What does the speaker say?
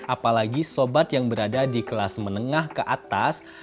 apalagi sobat yang berada di kelas menengah ke atas